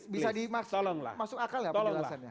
bisa dimaksud masuk akal ya penjelasannya